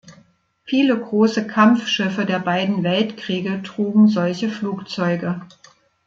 Viele große Kampfschiffe der beiden Weltkriege trugen solche Flugzeuge.